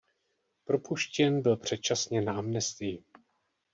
Propuštěn byl předčasně na amnestii.